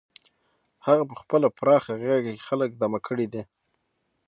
هغه په خپله پراخه غېږه کې خلک دمه کړي دي.